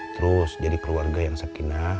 terus jadi keluarga yang sakinah